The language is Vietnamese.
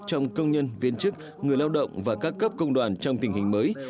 trong công nhân viên chức người lao động và các cấp công đoàn trong tình hình mới